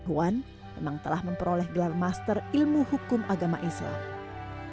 iwan memang telah memperoleh gelar master ilmu hukum agama islam